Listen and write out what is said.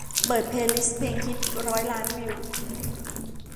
เปิดเพลย์ลิสต์เพลงฮิตร้อยล้านวิว